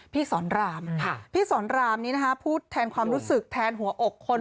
พี่สอนรามพี่สอนรามนี้นะคะพูดแทนความรู้สึกแทนหัวอกคน